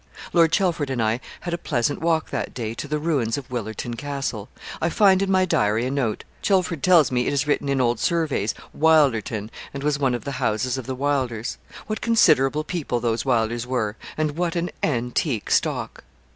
Lord Chelford and I had a pleasant walk that day to the ruins of Willerton Castle. I find in my diary a note 'Chelford tells me it is written in old surveys, Wylderton, and was one of the houses of the Wylders. What considerable people those Wylders were, and what an antique stock.'